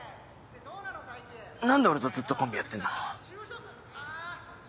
何で俺とずっとコンビやってんの？